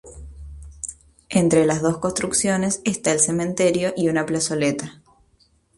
Entre las dos construcciones está el cementerio y una plazoleta.